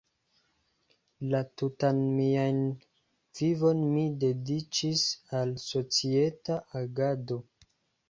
La tutan mian vivon mi dediĉis al societa agado.